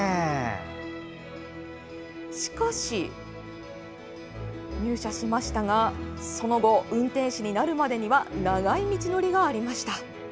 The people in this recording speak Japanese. しかし、入社しましたがその後運転士になるまでには長い道のりがありました。